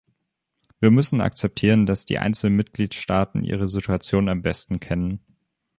Wir müssen akzeptieren, dass die einzelnen Mitgliedstaaten ihre Situation am besten kennen.